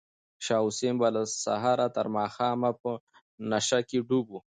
شاه حسین به له سهاره تر ماښامه په نشه کې ډوب و.